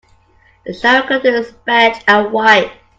The shower curtain is beige and white.